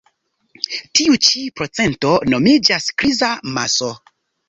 Tiu ĉi procento nomiĝas kriza maso.